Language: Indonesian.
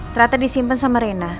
ternyata disimpan sama rena